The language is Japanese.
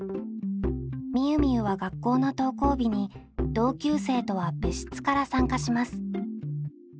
みゆみゆは学校の登校日に同級生とは別室から参加します。